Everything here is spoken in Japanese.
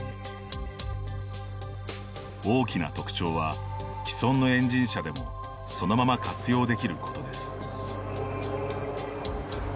大きな特徴は既存のエンジン車でもそのまま活用できることです。